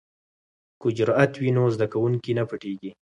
که جرئت وي نو زده کوونکی نه پټیږي.